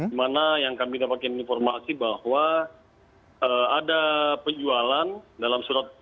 di mana yang kami dapatkan informasi bahwa ada penjualan dalam surat